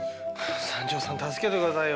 三条さん助けてくださいよ。